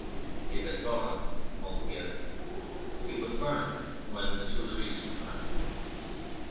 It has gone altogether. It was burned when the Tuileries was burned.